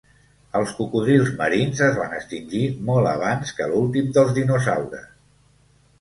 Els cocodrils marins es van extingir molt abans que l'últim dels dinosaures.